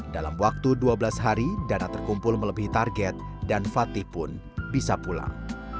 dalam waktu dua belas hari dana terkumpul melebihi target dan fatih pun bisa pulang